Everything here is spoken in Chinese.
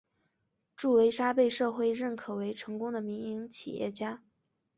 祝维沙被社会认可为成功的民营企业家。